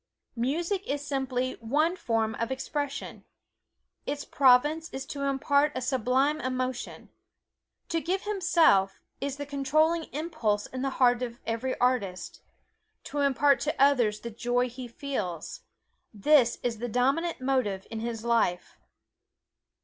Music is simply one form of expression. Its province is to impart a sublime emotion. To give himself is the controlling impulse in the heart of every artist to impart to others the joy he feels this is the dominant motive in his life.